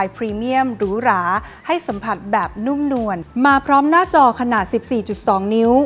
ผัดแบบนุ่มนวลมาพร้อมหน้าจอขนาด๑๔๒นิ้ว